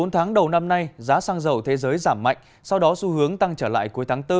bốn tháng đầu năm nay giá xăng dầu thế giới giảm mạnh sau đó xu hướng tăng trở lại cuối tháng bốn